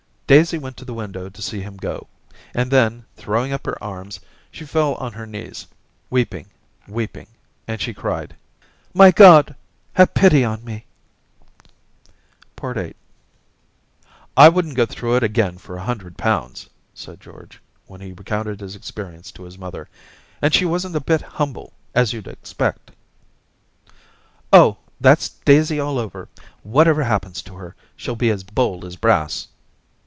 Daisy went to the window to see him go, and then, throwing up her arms, she fell on her knees, weeping, weeping, and she cried, —* My God, have pity on me !* VIII * I wouldn't go through it again for a hundred pounds/ said George, when he recounted his experience to his mother. *And she wasn't a bit humble, as you'd expect.' *Oh! that's Daisy all over. Whatever happens to her, she'll be as bold as brass.'